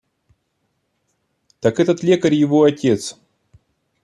Так этот лекарь его отец.